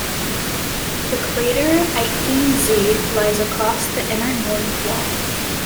The crater Aitken Z lies across the inner north wall.